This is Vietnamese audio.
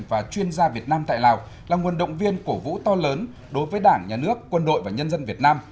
và chuyên gia việt nam tại lào là nguồn động viên cổ vũ to lớn đối với đảng nhà nước quân đội và nhân dân việt nam